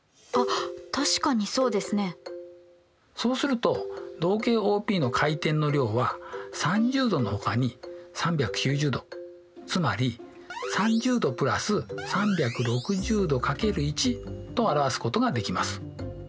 そうすると動径ＯＰの回転の量は３０°のほかに３９０°つまり３０°＋３６０°×１と表すことができます。